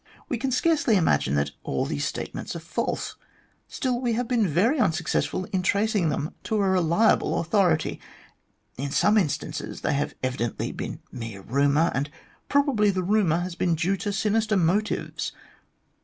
We can scarcely imagine that all these statements are false ; still, we have been very unsuccessful in tracing them to reliable authority. In some instances, they have evidently been mere rumour, and probably the rumour has been due to sinister motives.